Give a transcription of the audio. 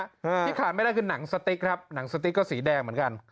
ที่ขาดไม่ได้คือหนังสติ๊กครับหนังสติ๊กก็สีแดงเหมือนกัน